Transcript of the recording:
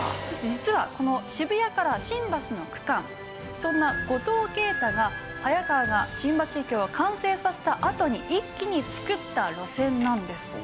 そして実はこの渋谷から新橋の区間そんな五島慶太が早川が新橋駅を完成させたあとに一気につくった路線なんです。